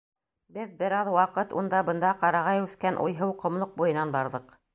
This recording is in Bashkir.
Беҙ бер аҙ ваҡыт унда-бында ҡарағай үҫкән уйһыу ҡомлоҡ буйынан барҙыҡ.